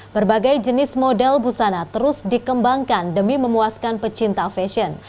berbagai jenis model busana terus dikembangkan demi memuaskan pecinta fashion